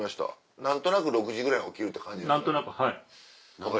何となく６時ぐらいに起きるって感じですよね。